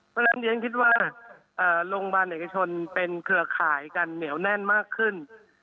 เพราะฉะนั้นเรียนคิดว่าโรงพยาบาลเอกชนเป็นเครือข่ายกันเหนียวแน่นมากขึ้น